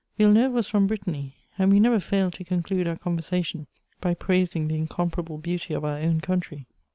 Villeneuve was from Brittany, and we never failed to conclude our conversation by praising the incomparable beauty of our own country.